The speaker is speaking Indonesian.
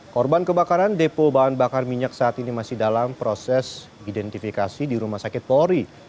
korban kebakaran depo bahan bakar minyak saat ini masih dalam proses identifikasi di rumah sakit polri